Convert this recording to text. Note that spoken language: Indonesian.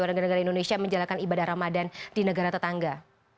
warga warga indonesia yang menjalankan ibadah ramadhan di negara tetangga